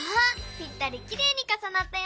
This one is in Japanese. ぴったりきれいにかさなったよ！